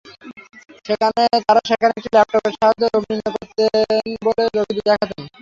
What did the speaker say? তাঁরা সেখানে একটি ল্যাপটপের সাহায্যে রোগ নির্ণয় করতেন বলে রোগীদের দেখাতেন।